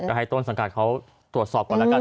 ก็ให้ต้นสังกัดเขาตรวจสอบก่อนแล้วกัน